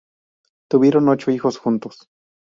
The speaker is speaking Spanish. Tuvieron ocho hijos juntos.